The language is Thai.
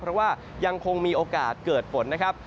เพราะว่ายังคงมีโอกาสเกิดฝนนะครับ